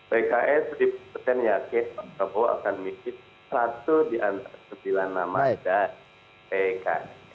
pks dipercaya nyakit pak prabowo akan misi satu di antara sembilan nama dan pks